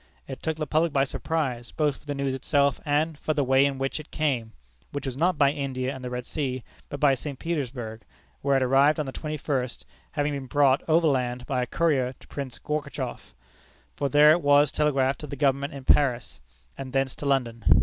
It took the public by surprise, both for the news itself and for the way in which it came which was not by India and the Red Sea, but by St. Petersburg, where it arrived on the twenty first, having been brought overland by a courier to Prince Gortchakoff. From there it was telegraphed to the Government at Paris, and thence to London.